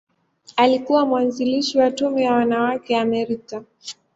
Alikuwa mwanzilishi wa Tume ya Wanawake ya Amerika Zote.